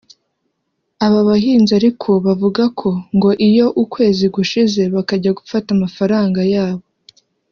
Aba bahinzi ariko bavuga ko ngo iyo ukwezi gushize bakajya gufata amafaranga yabo